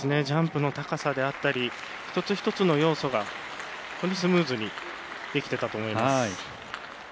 ジャンプの高さであったり一つ一つの要素が本当にスムーズにできていたと思います。